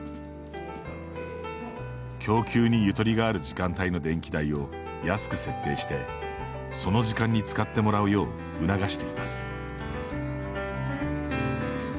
供給にゆとりがある時間帯の電気代を安く設定してその時間に使ってもらうよう促しています。